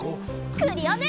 クリオネ！